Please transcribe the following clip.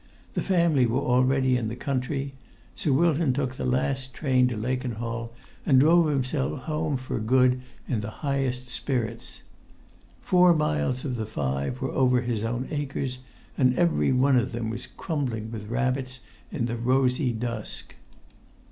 The family were already in the country. Sir Wilton took the last train to Lakenhall and drove himself home for good in the highest spirits. Four miles of the five were over his own acres, and every one of them was crumbling with rabbits in the rosy dusk.